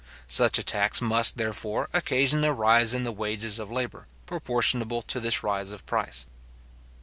Such a tax must, therefore, occasion a rise in the wages of labour, proportionable to this rise of price.